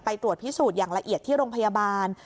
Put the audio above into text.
ตรวจพิสูจน์อย่างละเอียดที่โรงพยาบาล